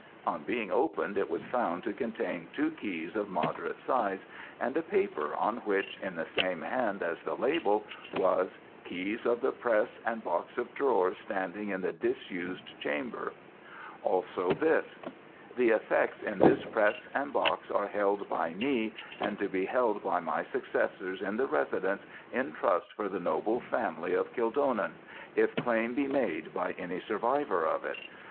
On being opened it was found to contain two keys of moderate size, and a paper, on which, in the same hand as the label, was 'Keys of the Press and Box of Drawers standing in the disused Chamber.' Also this: 'The Effects in this Press and Box are held by me, and to be held by my successors in the Residence, in trust for the noble Family of Kildonan, if claim be made by any survivor of it.